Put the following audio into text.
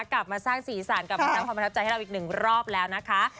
กลับมาสร้างสีสันกลับมาสร้างความประทับใจให้เราอีกหนึ่งรอบแล้วนะคะ